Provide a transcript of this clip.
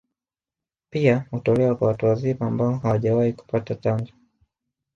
Pia hutolewa kwa watu wazima ambao hawajawahi kupata chanjo